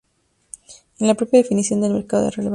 En la propia definición del mercado relevante.